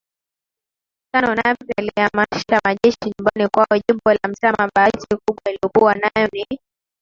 tano Nape alihamishia majeshi nyumbani kwao jimbo la Mtama Bahati kubwa aliyokuwa nayo ni